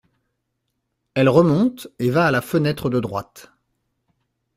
Elle remonte et va à la fenêtre de droite.